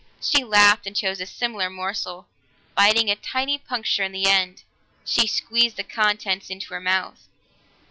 She laughed and chose a similar morsel; biting a tiny puncture in the end, she squeezed the contents into her mouth.